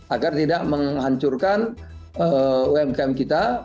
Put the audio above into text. agar tidak menghancurkan umkm kita